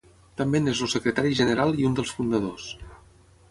També n’és el secretari general i un dels fundadors.